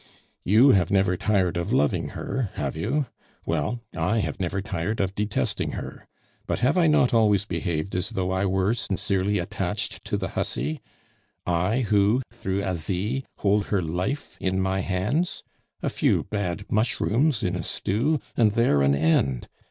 "You have never tired of loving her, have you? Well, I have never tired of detesting her. But have I not always behaved as though I were sincerely attached to the hussy I, who, through Asie, hold her life in my hands? A few bad mushrooms in a stew and there an end.